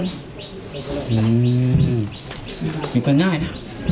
อื้มมีแต่ง่ายนะ